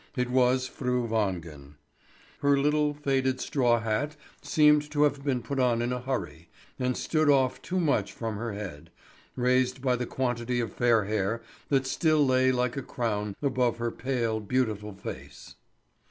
It was Fru Wangen. Her little, faded straw hat seemed to have been put on in a hurry, and stood off too much from her head, raised by the quantity of fair hair that still lay like a crown above her pale beautiful face.